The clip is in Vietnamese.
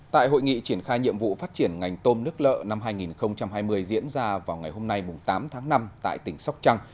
tại hội nghị triển khai nhiệm vụ phát triển ngành tôm nước lợ năm hai nghìn hai mươi diễn ra vào ngày hôm nay tám tháng năm tại tỉnh sóc trăng